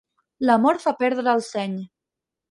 L'amor fa perdre el seny.